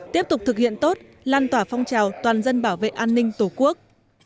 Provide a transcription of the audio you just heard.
tiếp tục thực hiện tốt lan tỏa phong trào toàn dân bảo vệ an ninh tổ quốc